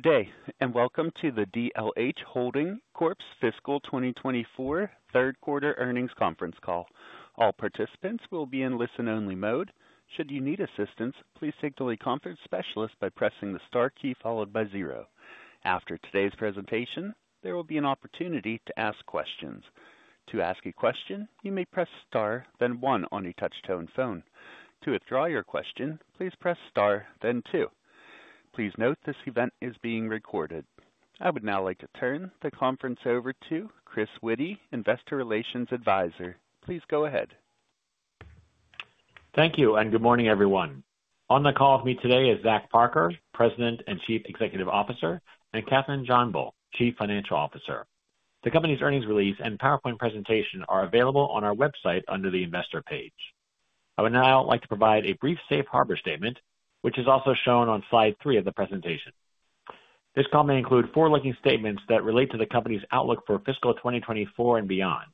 Good day, and welcome to the DLH Holdings Corp.'s Fiscal 2024 Third Quarter Earnings Conference Call. All participants will be in listen-only mode. Should you need assistance, please signal a conference specialist by pressing the star key followed by zero. After today's presentation, there will be an opportunity to ask questions. To ask a question, you may press star, then one on a touch-tone phone. To withdraw your question, please press star, then two. Please note this event is being recorded. I would now like to turn the conference over to Chris Witty, Investor Relations Advisor. Please go ahead. Thank you, and good morning, everyone. On the call with me today is Zach Parker, President and Chief Executive Officer, and Kathryn Johnbull, Chief Financial Officer. The company's earnings release and PowerPoint presentation are available on our website under the Investor page. I would now like to provide a brief safe harbor statement, which is also shown on slide three of the presentation. This call may include forward-looking statements that relate to the company's outlook for fiscal 2024 and beyond.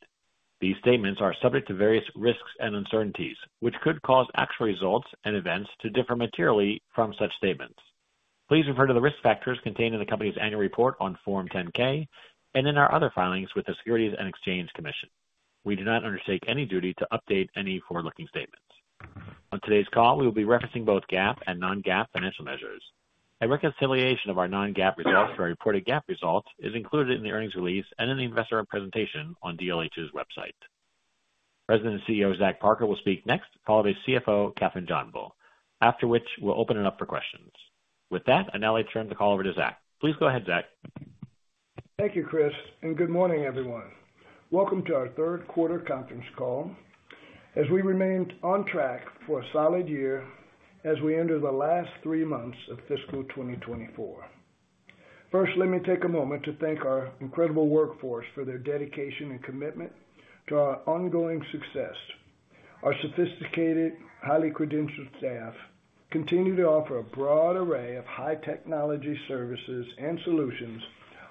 These statements are subject to various risks and uncertainties, which could cause actual results and events to differ materially from such statements. Please refer to the risk factors contained in the company's annual report on Form 10-K and in our other filings with the Securities and Exchange Commission. We do not undertake any duty to update any forward-looking statements. On today's call, we will be referencing both GAAP and non-GAAP financial measures. A reconciliation of our non-GAAP results for our reported GAAP results is included in the earnings release and in the investor presentation on DLH's website. President and CEO, Zach Parker, will speak next, followed by CFO Kathryn Johnbull, after which we'll open it up for questions. With that, I'd now like to turn the call over to Zach. Please go ahead, Zach. Thank you, Chris, and good morning, everyone. Welcome to our third quarter conference call as we remained on track for a solid year as we enter the last three months of fiscal 2024. First, let me take a moment to thank our incredible workforce for their dedication and commitment to our ongoing success. Our sophisticated, highly credentialed staff continue to offer a broad array of high technology services and solutions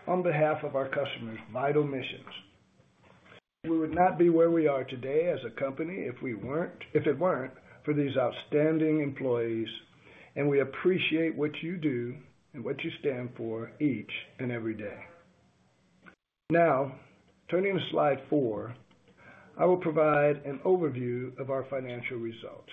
on behalf of our customers' vital missions. We would not be where we are today as a company if it weren't for these outstanding employees, and we appreciate what you do and what you stand for each and every day. Now, turning to slide 4, I will provide an overview of our financial results.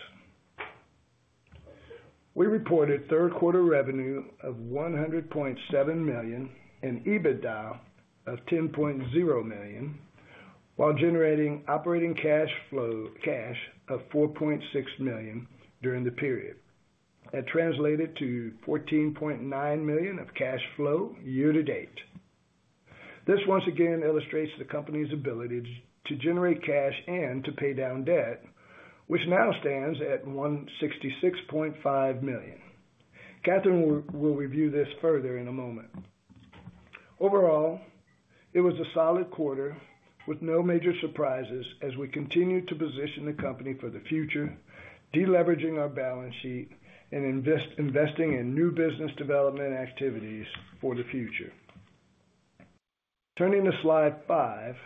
We reported third quarter revenue of $100.7 million and EBITDA of $10.0 million, while generating operating cash flow of $4.6 million during the period. That translated to $14.9 million of cash flow year to date. This once again illustrates the company's ability to generate cash and to pay down debt, which now stands at $166.5 million. Kathryn will review this further in a moment. Overall, it was a solid quarter with no major surprises as we continue to position the company for the future, deleveraging our balance sheet and investing in new business development activities for the future. Turning to slide five,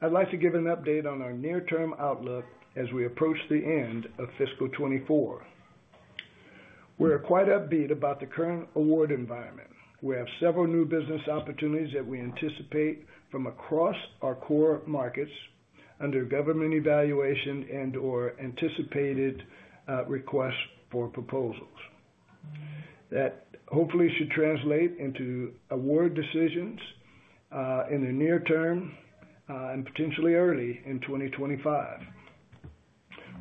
I'd like to give an update on our near-term outlook as we approach the end of fiscal 2024. We're quite upbeat about the current award environment. We have several new business opportunities that we anticipate from across our core markets under government evaluation and/or anticipated requests for proposals. That hopefully should translate into award decisions in the near term and potentially early in 2025.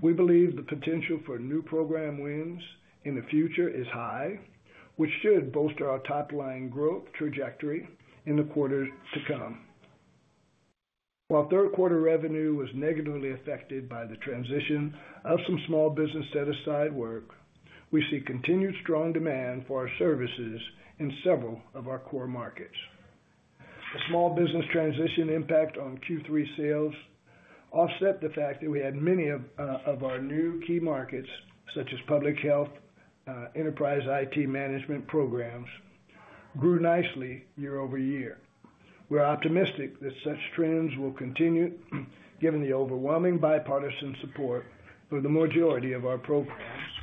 We believe the potential for new program wins in the future is high, which should bolster our top-line growth trajectory in the quarters to come. While third quarter revenue was negatively affected by the transition of some small business set-aside work, we see continued strong demand for our services in several of our core markets. The small business transition impact on Q3 sales offset the fact that many of our new key markets, such as public health, enterprise IT management programs, grew nicely year-over-year. We're optimistic that such trends will continue, given the overwhelming bipartisan support for the majority of our programs,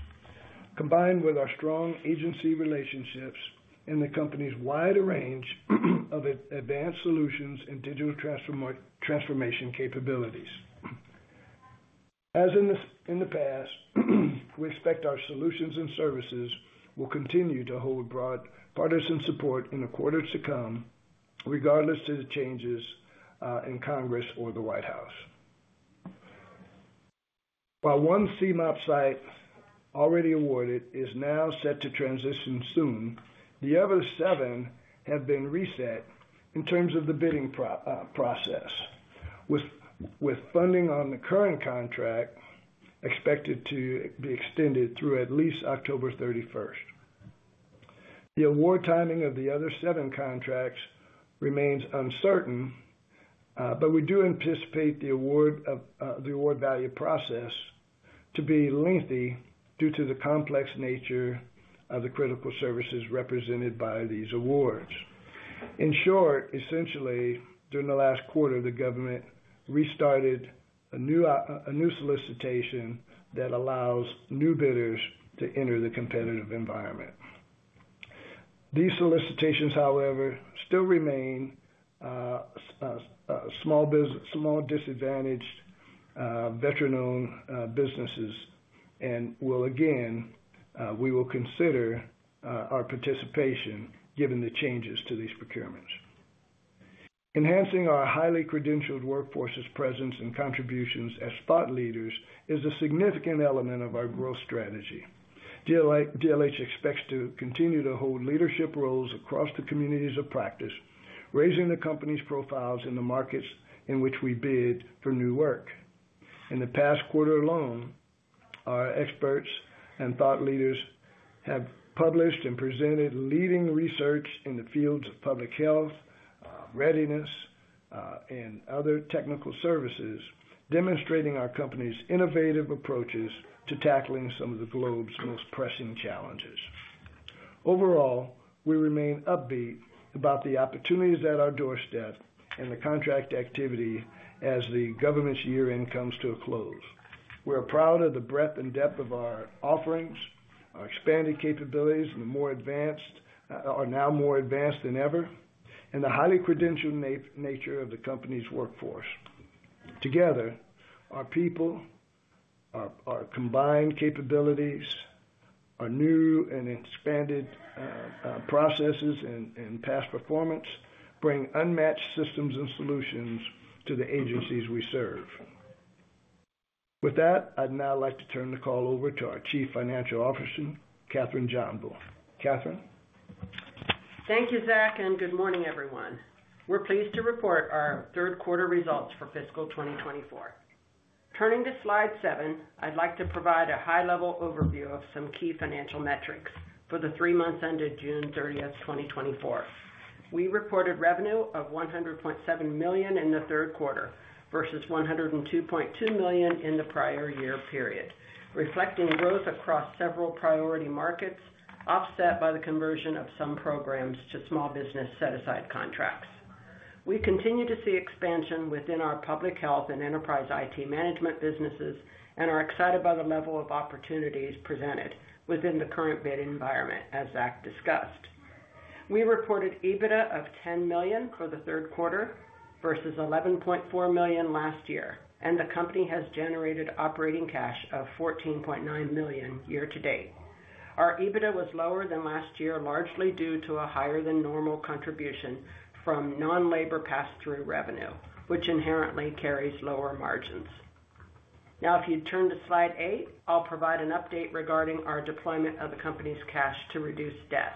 combined with our strong agency relationships and the company's wider range of advanced solutions and digital transformation capabilities. As in the past, we expect our solutions and services will continue to hold broad partisan support in the quarters to come, regardless of the changes in Congress or the White House. While one CMOP site already awarded is now set to transition soon, the other seven have been reset in terms of the bidding process, with funding on the current contract expected to be extended through at least October 31st. The award timing of the other seven contracts remains uncertain, but we do anticipate the award of, the award value process to be lengthy due to the complex nature of the critical services represented by these awards. In short, essentially, during the last quarter, the government restarted a new solicitation that allows new bidders to enter the competitive environment. These solicitations, however, still remain small, disadvantaged, veteran-owned businesses, and will again, we will consider our participation given the changes to these procurements. Enhancing our highly credentialed workforce's presence and contributions as thought leaders is a significant element of our growth strategy. DLH expects to continue to hold leadership roles across the communities of practice, raising the company's profiles in the markets in which we bid for new work. In the past quarter alone, our experts and thought leaders have published and presented leading research in the fields of public health, readiness, and other technical services, demonstrating our company's innovative approaches to tackling some of the globe's most pressing challenges. Overall, we remain upbeat about the opportunities at our doorstep and the contract activity as the government's year-end comes to a close. We're proud of the breadth and depth of our offerings, our expanded capabilities, and the more advanced are now more advanced than ever, and the highly credentialed nature of the company's workforce. Together, our people, our combined capabilities, our new and expanded processes and past performance bring unmatched systems and solutions to the agencies we serve. With that, I'd now like to turn the call over to our Chief Financial Officer, Kathryn Johnbull. Kathryn? Thank you, Zach, and good morning, everyone. We're pleased to report our third quarter results for fiscal 2024. Turning to slide seven, I'd like to provide a high-level overview of some key financial metrics for the three months ended June 30th, 2024. We reported revenue of $100.7 million in the third quarter, versus $102.2 million in the prior year period, reflecting growth across several priority markets, offset by the conversion of some programs to small business set-aside contracts. We continue to see expansion within our public health and enterprise IT management businesses and are excited by the level of opportunities presented within the current bid environment, as Zach discussed. We reported EBITDA of $10 million for the third quarter versus $11.4 million last year, and the company has generated operating cash of $14.9 million year to date. Our EBITDA was lower than last year, largely due to a higher than normal contribution from non-labor pass-through revenue, which inherently carries lower margins. Now, if you turn to slide eight, I'll provide an update regarding our deployment of the company's cash to reduce debt,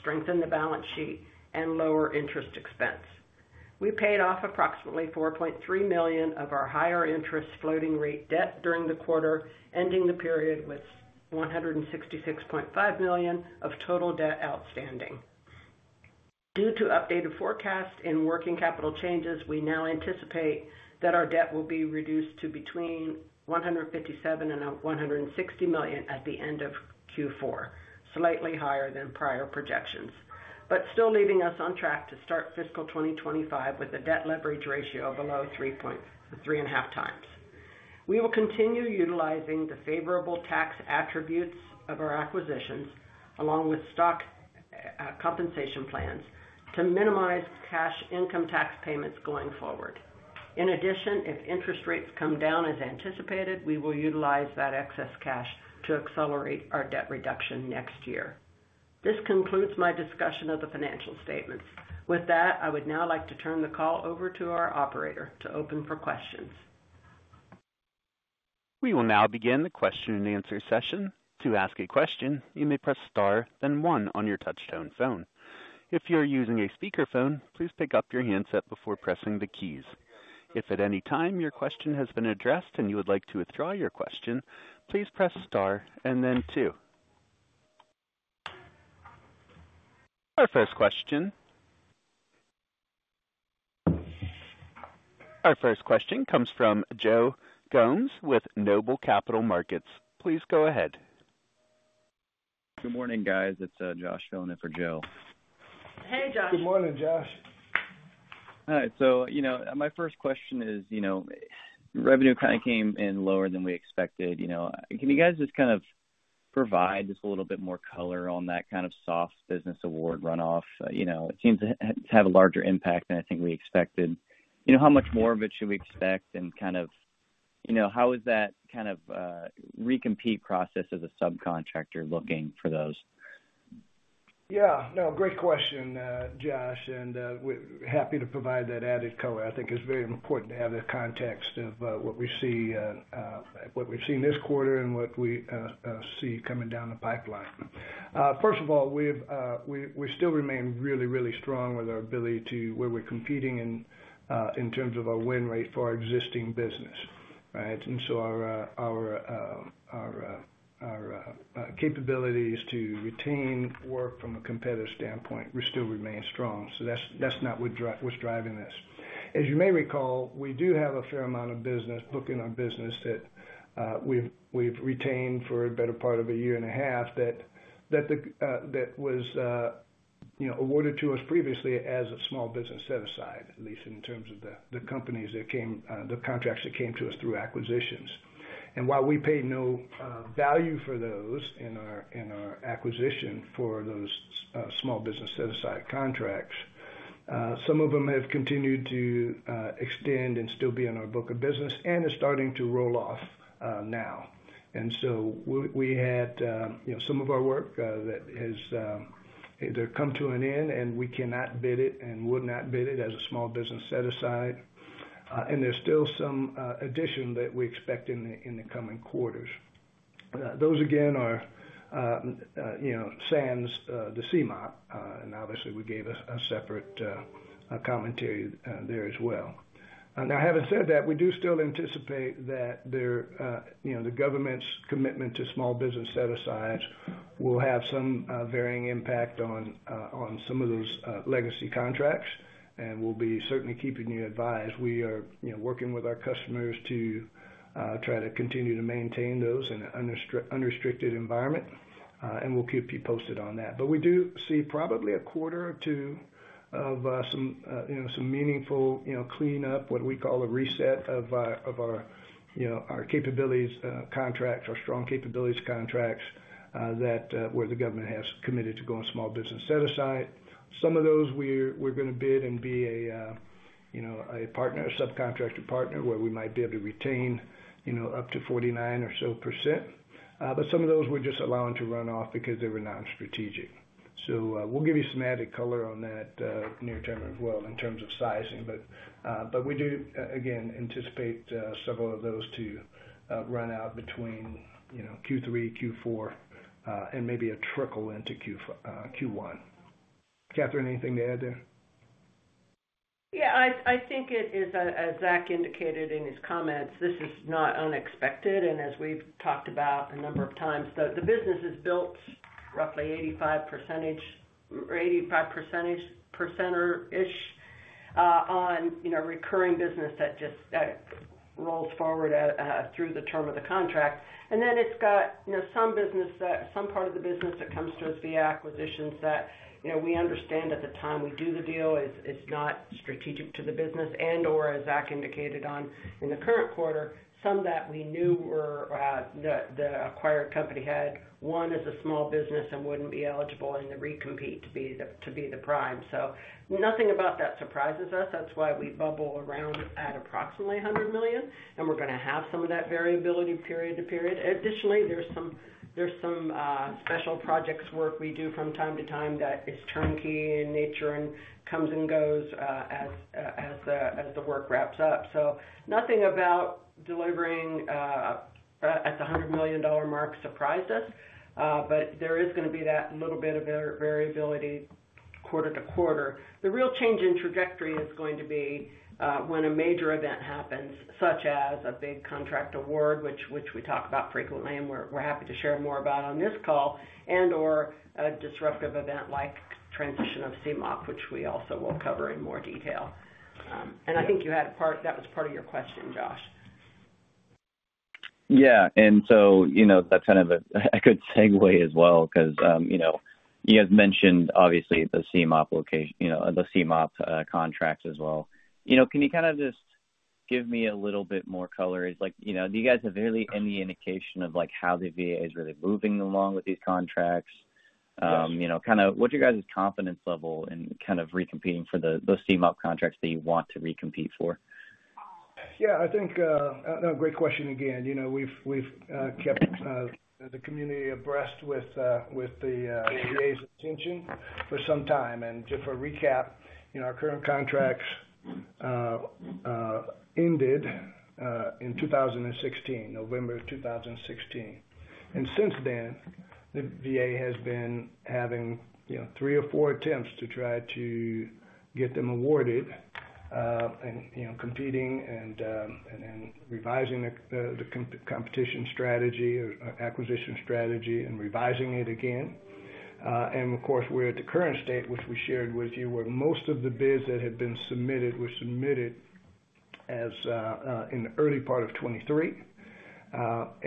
strengthen the balance sheet, and lower interest expense. We paid off approximately $4.3 million of our higher interest floating rate debt during the quarter, ending the period with $166.5 million of total debt outstanding. Due to updated forecasts and working capital changes, we now anticipate that our debt will be reduced to between $157 million and $160 million at the end of Q4, slightly higher than prior projections. But still leaving us on track to start fiscal 2025 with a debt leverage ratio of below 3.3x-3.5x. We will continue utilizing the favorable tax attributes of our acquisitions, along with stock compensation plans, to minimize cash income tax payments going forward. In addition, if interest rates come down as anticipated, we will utilize that excess cash to accelerate our debt reduction next year. This concludes my discussion of the financial statements. With that, I would now like to turn the call over to our operator to open for questions. We will now begin the question-and-answer session. To ask a question, you may press star, then one on your touchtone phone. If you are using a speakerphone, please pick up your handset before pressing the keys. If at any time your question has been addressed and you would like to withdraw your question, please press star and then two. Our first question. Our first question comes from Joe Gomes with Noble Capital Markets. Please go ahead. Good morning, guys. It's Josh filling in for Joe. Hey, Josh. Good morning, Josh. All right, so, you know, my first question is, you know, revenue kind of came in lower than we expected, you know. Can you guys just kind of provide just a little bit more color on that kind of soft business award runoff? You know, it seems to have a larger impact than I think we expected. You know, how much more of it should we expect, and kind of, you know, how is that kind of recompete process as a subcontractor looking for those? Yeah. No, great question, Josh, and we're happy to provide that added color. I think it's very important to have the context of what we see, what we've seen this quarter and what we see coming down the pipeline. First of all, we still remain really, really strong with our ability to, where we're competing in terms of our win rate for our existing business, right? And so our capabilities to retain work from a competitive standpoint, we still remain strong. So that's not what's driving this. As you may recall, we do have a fair amount of business booked in our business that we've retained for a better part of a year and a half, that the that was. You know, awarded to us previously as a small business set-aside, at least in terms of the, the companies that came, the contracts that came to us through acquisitions. And while we paid no, value for those in our, in our acquisition for those, small business set-aside contracts, some of them have continued to, extend and still be in our book of business and are starting to roll off, now. And so we, we had, you know, some of our work, that has, either come to an end and we cannot bid it and would not bid it as a small business set-aside. And there's still some, addition that we expect in the, in the coming quarters. Those, again, are, you know, sans the CMOP, and obviously, we gave a separate commentary there as well. Now, having said that, we do still anticipate that there, you know, the government's commitment to small business set-asides will have some varying impact on on some of those legacy contracts, and we'll be certainly keeping you advised. We are, you know, working with our customers to try to continue to maintain those in an unrestricted environment, and we'll keep you posted on that. But we do see probably a quarter or two of some meaningful cleanup, what we call a reset of our capabilities contracts, our strong capabilities contracts, that where the government has committed to going small business set-aside. Some of those we're gonna bid and be a, you know, a partner, a subcontractor partner, where we might be able to retain, you know, up to 49% or so. But some of those we're just allowing to run off because they were non-strategic. So, we'll give you some added color on that, near term as well, in terms of sizing. But we do, again, anticipate several of those to run out between, you know, Q3, Q4, and maybe a trickle into Q1. Kathryn, anything to add there? Yeah, I think it is, as Zach indicated in his comments, this is not unexpected, and as we've talked about a number of times, the business is built roughly 85% or 85%, percent-ish, on, you know, recurring business that just rolls forward through the term of the contract. And then it's got, you know, some business that—some part of the business that comes to us via acquisitions that, you know, we understand at the time we do the deal, it's not strategic to the business and/or as Zach indicated, one in the current quarter, some that we knew were, the acquired company had one as a small business and wouldn't be eligible in the recompete to be the prime. So nothing about that surprises us. That's why we bubble around at approximately $100 million, and we're gonna have some of that variability period to period. Additionally, there's some special projects work we do from time to time, that it's turnkey in nature and comes and goes as the work wraps up. So nothing about delivering at the $100 million mark surprises us, but there is gonna be that little bit of variability quarter to quarter. The real change in trajectory is going to be when a major event happens, such as a big contract award, which we talk about frequently, and we're happy to share more about on this call, and/or a disruptive event like transition of CMOP, which we also will cover in more detail. I think you had a part-- that was part of your question, Josh. Yeah, and so, you know, that's kind of a good segue as well, because, you know, you guys mentioned obviously the CMOP you know, the CMOP contract as well. You know, can you kinda just give me a little bit more color? It's like, you know, do you guys have really any indication of, like, how the VA is really moving along with these contracts? Yes. You know, kind of what's you guys' confidence level in kind of recompeting for the, those CMOP contracts that you want to recompete for? Yeah, I think a great question again. You know, we've kept the community abreast with the VA's attention for some time. And just for recap, you know, our current contracts ended in November 2016. And since then, the VA has been having, you know, three or four attempts to try to get them awarded, and you know, competing and revising the competition strategy or acquisition strategy and revising it again. And of course, we're at the current state, which we shared with you, where most of the bids that had been submitted were submitted in the early part of 2023.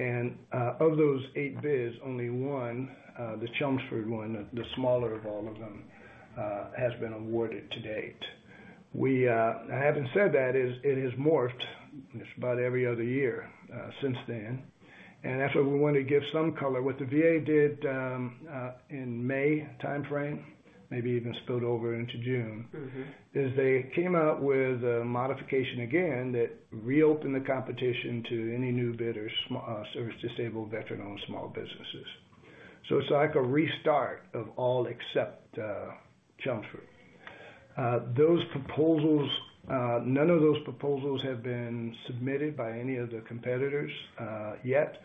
And of those eight bids, only one, the Chelmsford one, the smaller of all of them, has been awarded to date. We, having said that, it has morphed just about every other year, since then, and that's why we want to give some color. What the VA did, in May timeframe, maybe even spilled over into June- Mm-hmm. Is they came out with a modification again, that reopened the competition to any new bidders, service-disabled veteran-owned small businesses. So it's like a restart of all, except, Chelmsford. Those proposals, none of those proposals have been submitted by any of the competitors, yet.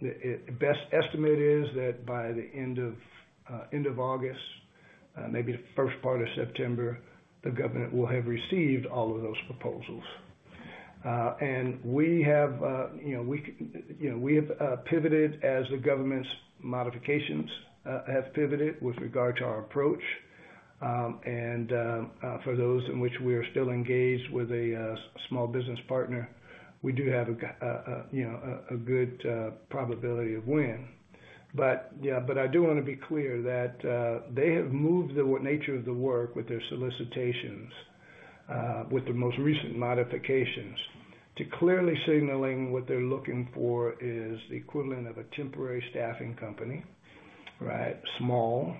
It, best estimate is that by the end of, end of August, maybe the first part of September, the government will have received all of those proposals. And we have, you know, we know, we have, pivoted as the government's modifications, have pivoted with regard to our approach. And, for those in which we are still engaged with a, small business partner, we do have a, you know, a, a good, probability of win. But, yeah, but I do want to be clear that, they have moved the nature of the work with their solicitations, with the most recent modifications, to clearly signaling what they're looking for is the equivalent of a temporary staffing company, right? Small,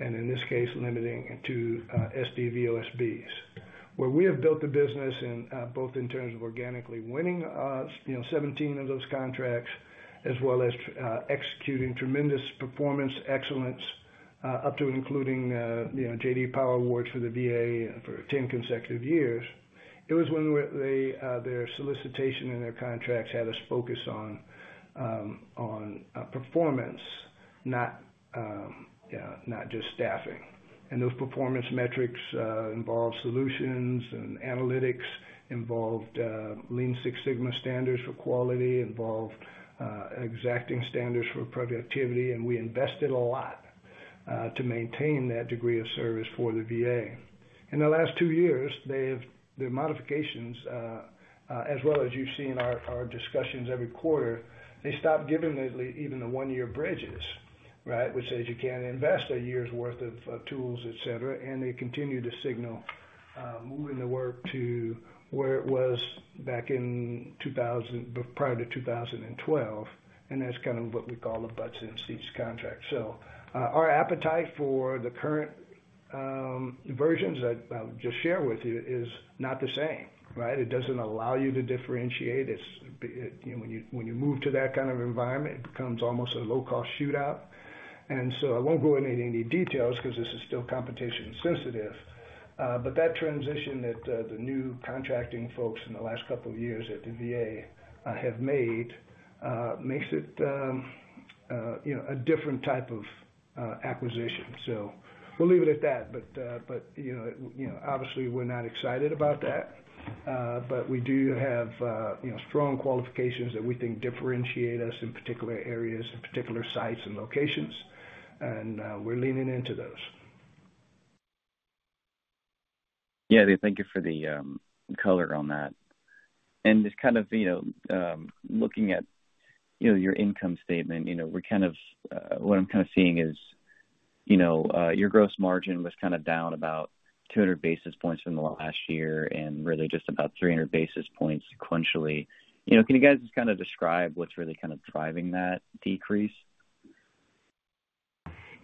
and in this case, limiting it to, SDVOSBs. Where we have built the business in, both in terms of organically winning, you know, 17 of those contracts, as well as, executing tremendous performance excellence, up to and including, you know, JD Power Awards for the VA for 10 consecutive years. It was when they, their solicitation and their contracts had us focus on, on, performance, not, yeah, not just staffing. Those performance metrics involve solutions and analytics, Lean Six Sigma standards for quality, exacting standards for productivity, and we invested a lot to maintain that degree of service for the VA. In the last two years, they have the modifications as well as you've seen in our discussions every quarter. They stopped giving even the one-year bridges, right? Which says you can't invest a year's worth of tools, et cetera. They continue to signal moving the work to where it was back in 2000, prior to 2012, and that's kind of what we call a butts-in-seats contract. So, our appetite for the current versions that I'll just share with you is not the same, right? It doesn't allow you to differentiate. It's you know when you move to that kind of environment, it becomes almost a low-cost shootout. And so I won't go into any details because this is still competition sensitive, but that transition that the new contracting folks in the last couple of years at the VA have made makes it you know a different type of acquisition. So we'll leave it at that. But you know obviously we're not excited about that, but we do have you know strong qualifications that we think differentiate us in particular areas, in particular sites and locations, and we're leaning into those. Yeah, thank you for the color on that. And just kind of, you know, looking at, you know, your income statement, you know, we're kind of, what I'm kind of seeing is, you know, your gross margin was kind of down about 200 basis points from the last year and really just about 300 basis points sequentially. You know, can you guys just kind of describe what's really kind of driving that decrease?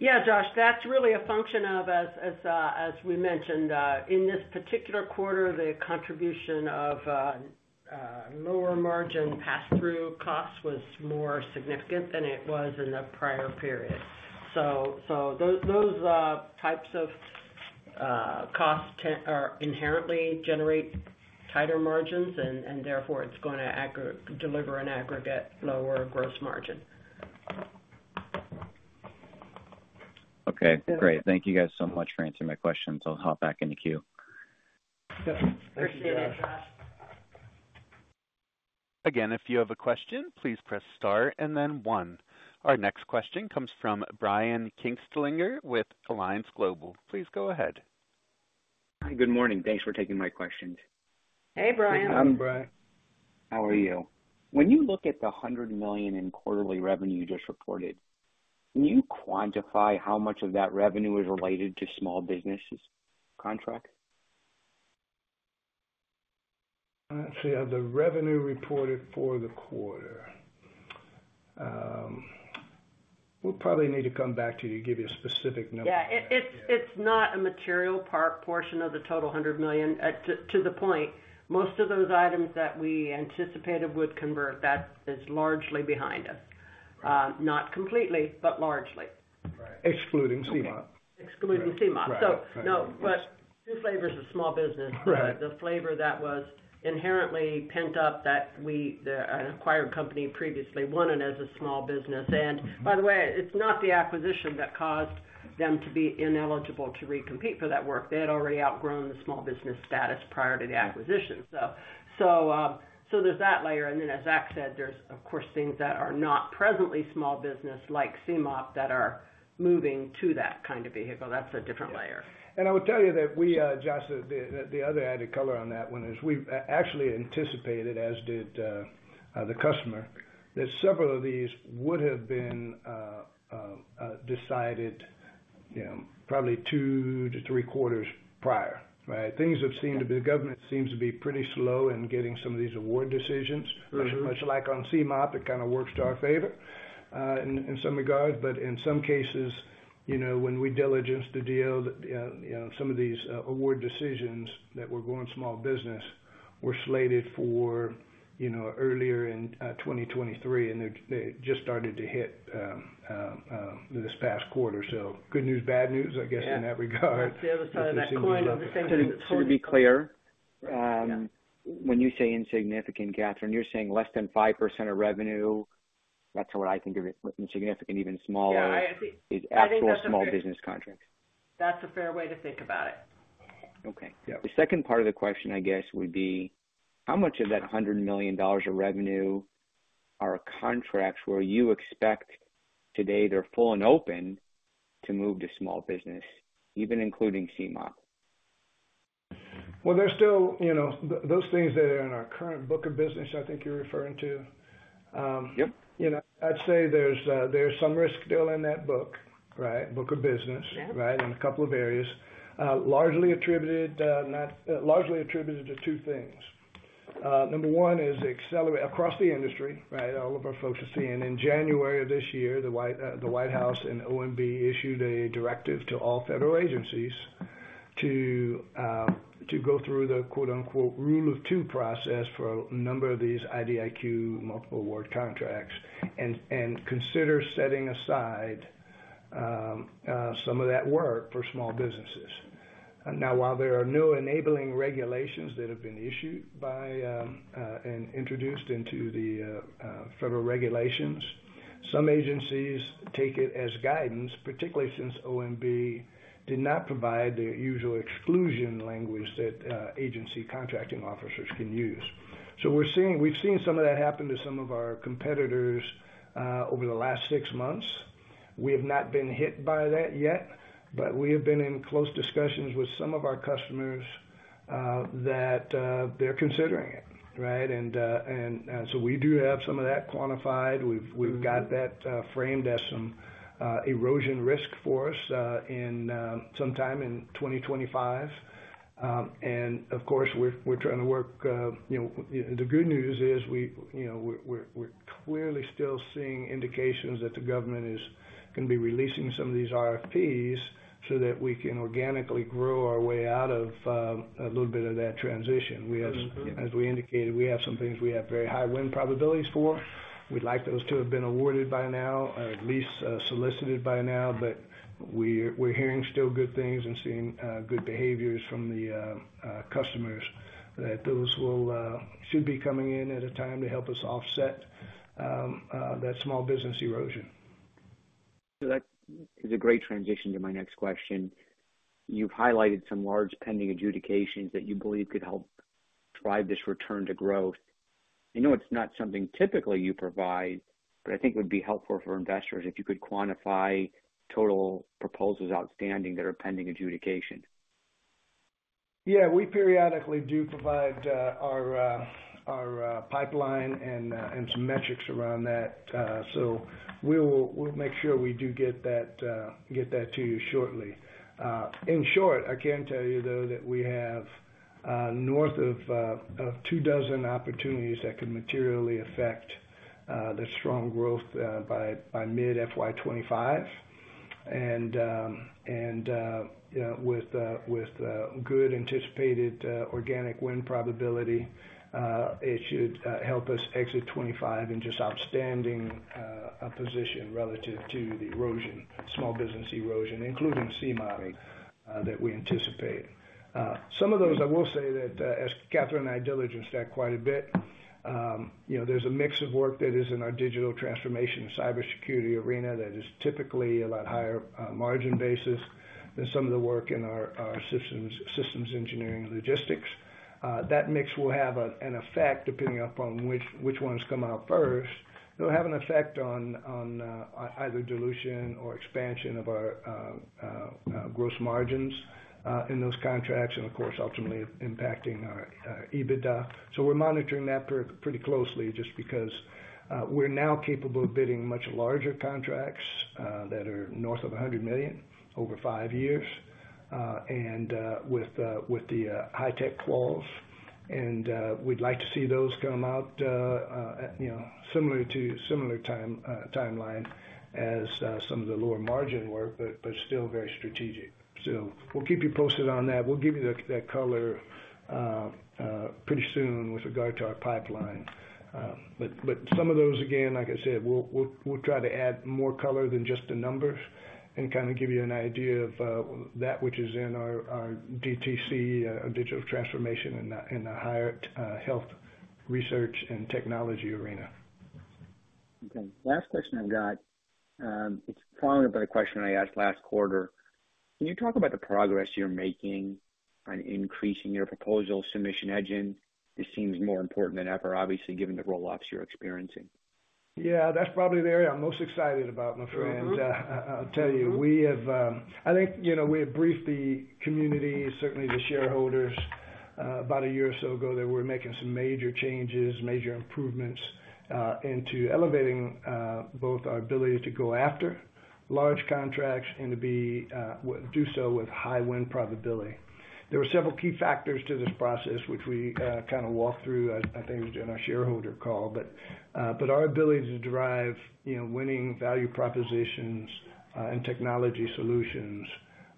Yeah, Josh, that's really a function of, as we mentioned, in this particular quarter, the contribution of lower margin pass-through costs was more significant than it was in the prior period. So those types of costs are inherently generate tighter margins, and therefore, it's going to deliver an aggregate lower gross margin. Okay, great. Thank you guys so much for answering my questions. I'll hop back in the queue. Yeah. Appreciate it, Josh. Again, if you have a question, please press star and then one. Our next question comes from Brian Kinstlinger, with Alliance Global. Please go ahead. Hi, good morning. Thanks for taking my questions. Hey, Brian. Hi, Brian. How are you? When you look at the $100 million in quarterly revenue you just reported, can you quantify how much of that revenue is related to small businesses contract? Let's see, of the revenue reported for the quarter. We'll probably need to come back to you to give you a specific number. Yeah, it's not a material portion of the total $100 million. To the point, most of those items that we anticipated would convert, that is largely behind us. Not completely, but largely. Right. Excluding CMOP. Excluding CMOP. Right. No, but two flavors of small business. Right. The flavor that was inherently pent up that we, the acquired company previously won it as a small business. By the way, it's not the acquisition that caused them to be ineligible to recompete for that work. They had already outgrown the small business status prior to the acquisition. So there's that layer, and then, as Zach said, there's, of course, things that are not presently small business, like CMOP, that are moving to that kind of vehicle. That's a different layer. And I would tell you that we, Josh, the other added color on that one is we've actually anticipated, as did the customer, that several of these would have been decided, you know, probably two to three quarters prior, right? Things have seemed to be, the government seems to be pretty slow in getting some of these award decisions, much like on CMOP. It kind of works to our favor in some regards, but in some cases, you know, when we diligence the deal, you know, some of these award decisions that were going small business were slated for, you know, earlier in 2023, and they just started to hit this past quarter. So good news, bad news, I guess, in that regard. Yeah, that's the other side of that coin- So to be clear, when you say insignificant, Kathryn, you're saying less than 5% of revenue? That's what I think of as insignificant, even smaller. Yeah, I think. Is actual small business contracts. That's a fair way to think about it. Okay. The second part of the question, I guess, would be: how much of that $100 million of revenue are contracts where you expect, today, they're full and open to move to small business, even including CMOP? Well, there's still, you know, those things that are in our current book of business, I think you're referring to. Yep. You know, I'd say there's some risk still in that book, right? Book of business. Yeah. Right? In a couple of areas, largely attributed to two things. Number one is accelerate across the industry, right? All of our folks are seeing. In January of this year, the White House and OMB issued a directive to all federal agencies to go through the quote-unquote, "Rule of Two process" for a number of these IDIQ multiple award contracts and consider setting aside some of that work for small businesses. Now, while there are no enabling regulations that have been issued by and introduced into the federal regulations, some agencies take it as guidance, particularly since OMB did not provide the usual exclusion language that agency contracting officers can use. So we've seen some of that happen to some of our competitors over the last six months. We have not been hit by that yet, but we have been in close discussions with some of our customers that they're considering it, right? And so we do have some of that quantified. We've got that framed as some erosion risk for us in sometime in 2025. And of course, we're trying to work, you know. The good news is, we, you know, we're clearly still seeing indications that the government is gonna be releasing some of these RFPs so that we can organically grow our way out of a little bit of that transition. We have- Mm-hmm. As we indicated, we have some things we have very high win probabilities for. We'd like those to have been awarded by now, or at least solicited by now, but we're hearing still good things and seeing good behaviors from the customers that those should be coming in at a time to help us offset that small business erosion. So that is a great transition to my next question. You've highlighted some large pending adjudications that you believe could help drive this return to growth. I know it's not something typically you provide, but I think it would be helpful for investors if you could quantify total proposals outstanding that are pending adjudication. Yeah, we periodically do provide our pipeline and some metrics around that. So we will, we'll make sure we do get that to you shortly. In short, I can tell you, though, that we have north of two dozen opportunities that could materially affect the strong growth by mid FY 2025. And, you know, with good anticipated organic win probability, it should help us exit 2025 in just outstanding position relative to the erosion, small business erosion, including CMOP, that we anticipate. Some of those, I will say that, as Kathryn and I diligenced that quite a bit, you know, there's a mix of work that is in our digital transformation and cybersecurity arena that is typically a lot higher margin basis than some of the work in our systems engineering and logistics. That mix will have an effect, depending upon which ones come out first. It'll have an effect on either dilution or expansion of our gross margins in those contracts, and of course, ultimately impacting our EBITDA. So we're monitoring that pretty closely, just because we're now capable of bidding much larger contracts that are north of $100 million over five years, and with the high tech quals. We'd like to see those come out, you know, similar to similar time, timeline as some of the lower margin work, but still very strategic. So we'll keep you posted on that. We'll give you that color pretty soon with regard to our pipeline. But some of those, again, like I said, we'll try to add more color than just the numbers and kind of give you an idea of that which is in our DTC, digital transformation and the higher health research and technology arena. Okay. Last question I've got, it's followed up by a question I asked last quarter. Can you talk about the progress you're making on increasing your proposal submission engine? This seems more important than ever, obviously, given the roll-offs you're experiencing. Yeah, that's probably the area I'm most excited about, my friend. Mm-hmm. I'll tell you, we have, I think, you know, we have briefed the community, certainly the shareholders, about a year or so ago, that we're making some major changes, major improvements, into elevating both our ability to go after large contracts and to do so with high win probability. There were several key factors to this process, which we kind of walked through, I think in our shareholder call. But our ability to derive, you know, winning value propositions and technology solutions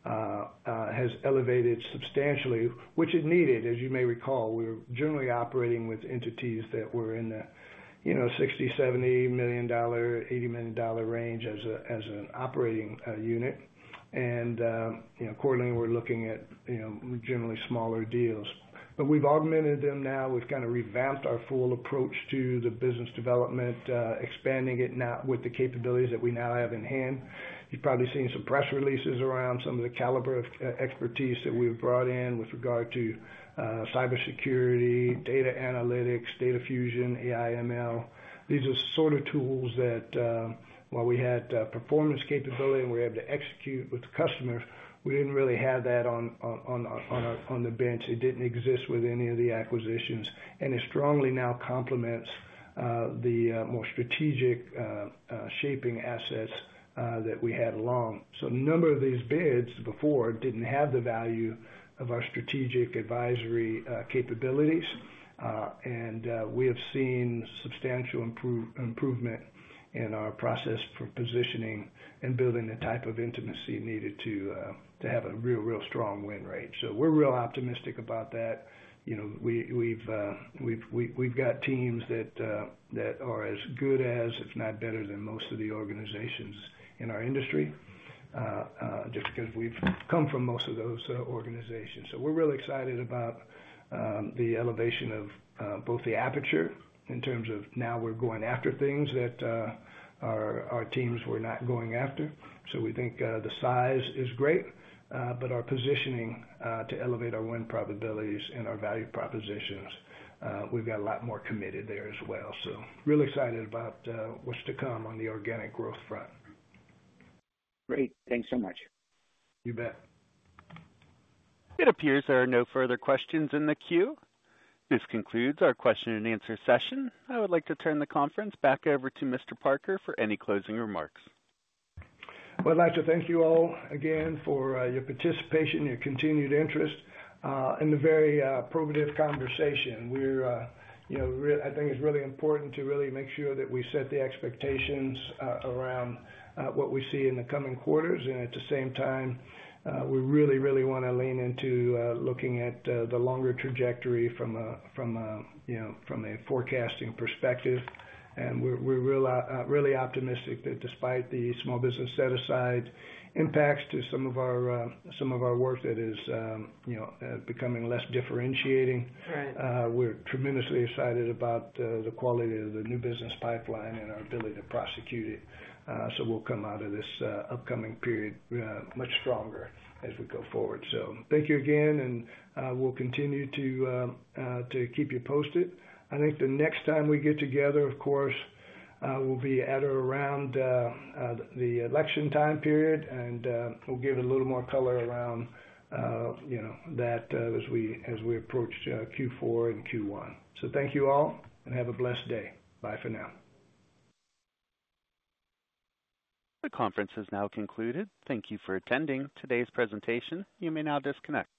has elevated substantially, which it needed. As you may recall, we were generally operating with entities that were in the, you know, $60 million, $70 million, $80 million range as an operating unit. Accordingly, we're looking at, you know, generally smaller deals. But we've augmented them now. We've kind of revamped our full approach to the business development, expanding it now with the capabilities that we now have in hand. You've probably seen some press releases around some of the caliber of expertise that we've brought in with regard to, cybersecurity, data analytics, data fusion, AI, ML. These are sort of tools that, while we had, performance capability and we were able to execute with the customer, we didn't really have that on our bench. It didn't exist with any of the acquisitions, and it strongly now complements, the more strategic, shaping assets, that we had along. So a number of these bids before didn't have the value of our strategic advisory, capabilities. And we have seen substantial improvement in our process for positioning and building the type of intimacy needed to have a real, real strong win rate. So we're real optimistic about that. You know, we've got teams that are as good as, if not better than, most of the organizations in our industry, just because we've come from most of those organizations. So we're really excited about the elevation of both the aperture in terms of now we're going after things that our teams were not going after. So we think the size is great, but our positioning to elevate our win probabilities and our value propositions, we've got a lot more committed there as well. Real excited about what's to come on the organic growth front. Great. Thanks so much. You bet. It appears there are no further questions in the queue. This concludes our question and answer session. I would like to turn the conference back over to Mr. Parker for any closing remarks. Well, I'd like to thank you all again for your participation, your continued interest, and a very probative conversation. We're, you know, I think it's really important to really make sure that we set the expectations around what we see in the coming quarters. And at the same time, we really, really wanna lean into looking at the longer trajectory from a, you know, from a forecasting perspective. And we're really optimistic that despite the small business set-aside impacts to some of our work that is, you know, becoming less differentiating. Right. We're tremendously excited about the quality of the new business pipeline and our ability to prosecute it. So we'll come out of this upcoming period much stronger as we go forward. So thank you again, and we'll continue to, to keep you posted. I think the next time we get together, of course, we'll be at or around the election time period, and we'll give a little more color around you know, that, as we, as we approach Q4 and Q1. So thank you all and have a blessed day. Bye for now. The conference is now concluded. Thank you for attending today's presentation. You may now disconnect.